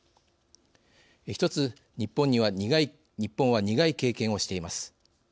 一つ日本は苦い経験をしています。